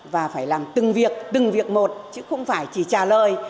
và phải làm từng việc từng việc một chứ không phải chỉ trả lời